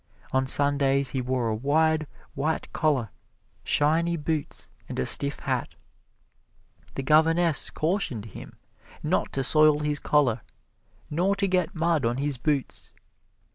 On Sundays he wore a wide, white collar, shiny boots and a stiff hat. The governess cautioned him not to soil his collar, nor to get mud on his boots.